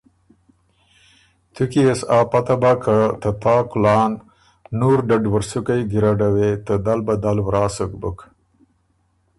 تُو کی يې سو آ پته بَۀ که ته تا کُلان نُور ډدوُرسُکئ ګیرډه وې ته دل بدل ورا سُک بُک۔